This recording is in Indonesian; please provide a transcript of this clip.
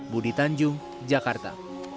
budi tanjung jakarta